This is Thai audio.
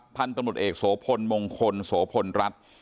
สวัสดีคุณผู้ชมครับพันธุ์ตำรวจเอกโสพลมงคลโสพลรัฐ